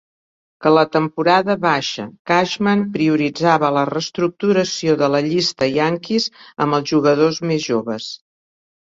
Que la temporada baixa, Cashman prioritzava la reestructuració de la llista Yankees amb els jugadors més joves.